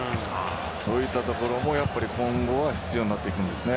そういったところも今後は必要になってきますね。